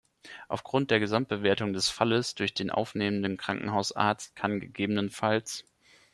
Aufgrund der Gesamtbewertung des Falles durch den aufnehmenden Krankenhausarzt kann ggf.